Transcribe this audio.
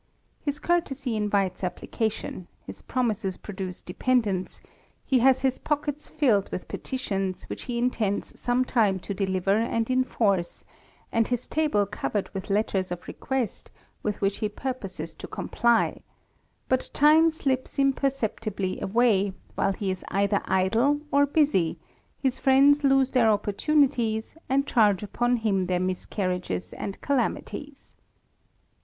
His courtesy invites application ; his promises produce dependence ; he has his pockets filled with petitions, which he intends some time to deliver and enforce, and his table covered with letters of request, with which he purposes to comply ; but time slips imperceptibly away, while he is either idle or busy; his friends lose their THE RAMBLER. 201 opportunities, and charge upon him their miscarriages and calamities.